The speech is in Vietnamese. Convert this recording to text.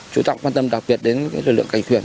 chú trọng quan tâm đặc biệt đến lực lượng cảnh thuyền